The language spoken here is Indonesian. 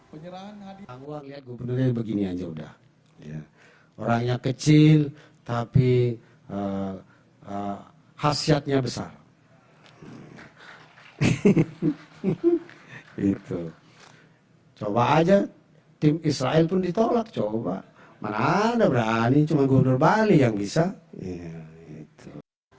pernyataan tersebut ia ungkapkan saat menyampaikan sambutan di hadapan kalangan muda